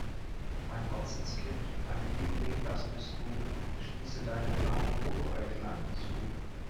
Mein Herzenskind, mein Liebling, das bist du, schließe deine blauen Guckäuglein zu.